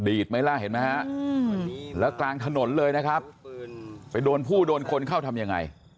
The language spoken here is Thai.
ไหมล่ะเห็นไหมฮะแล้วกลางถนนเลยนะครับไปโดนผู้โดนคนเข้าทำยังไง